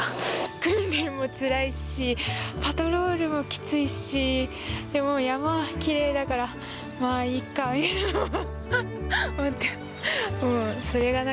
訓練もつらいし、パトロールもきついし、でも山きれいだから、まあいいかみたいな。